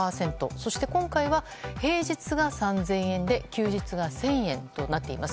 そして今回は平日が３０００円で休日が１０００円となっています。